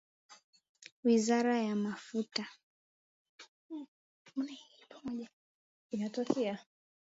Wizara ya Mafuta.